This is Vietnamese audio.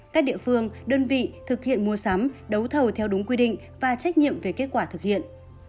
các địa phương đơn vị thực hiện mua sắm đấu thầu theo đúng quy định và trách nhiệm về kết quả thực hiện